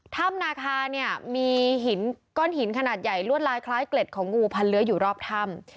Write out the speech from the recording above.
ถ้ำนาคาเนี่ยมีหินก้อนหินขนาดใหญ่ลวดลายคล้ายเกล็ดของงูพันเลื้ออยู่รอบถ้ำ